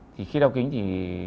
thì khi đeo kính thì